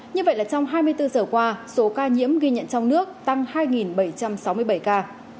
như vậy là trong hai mươi bốn giờ qua số ca nhiễm ghi nhận trong nước tăng hai bảy trăm sáu mươi bảy ca